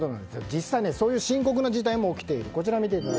実際、こういう深刻な事態も起きている。